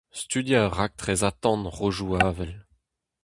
Studiañ ur raktres atant rodoù-avel.